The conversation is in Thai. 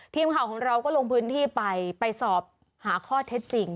ทีมข่าวของเราก็ลงพื้นที่ไปไปสอบหาข้อเท็จจริง